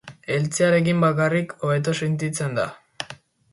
Heltzearekin bakarrik, hobeto sentitzen da.